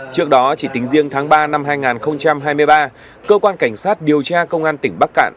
trước đó chỉ tính riêng tháng ba năm hai nghìn hai mươi ba cơ quan cảnh sát điều tra công an tỉnh bắc cạn